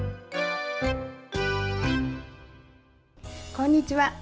こんにちは。